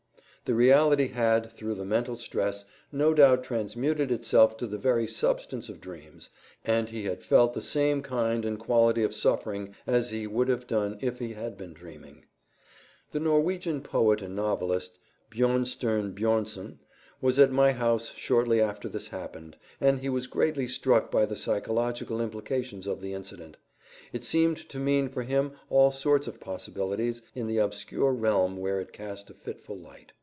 _" The reality had, through the mental stress, no doubt transmuted itself to the very substance of dreams, and he had felt the same kind and quality of suffering as he would have done if he had been dreaming. The Norwegian poet and novelist Björnstjerne Björnson was at my house shortly after this happened, and he was greatly struck by the psychological implications of the incident; it seemed to mean for him all sorts of possibilities in the obscure realm where it cast a fitful light.